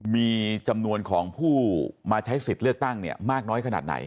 มีจำนวนของผู้มาใช้สิทธิ์เลือกตั้งมากน้อยขนาดไหน